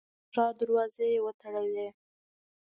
د ښار دروازې یې وتړلې.